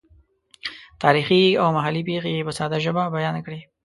تاریخي او محلي پېښې یې په ساده ژبه بیان کړې.